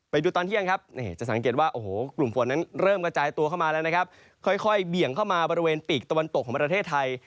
ไปดูตอนเที่ยงครับจะสังเกตว่าโอ้โหกลุ่มฝนนั้นเริ่มกระจายตัวเข้ามาแล้วนะครับค่อยเบี่ยงเข้ามาบริเวณปีกตะวันตกของประเทศไทย